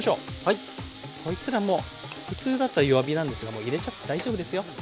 こいつらも普通だと弱火なんですがもう入れちゃって大丈夫ですよ。